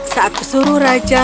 saat pesuru raja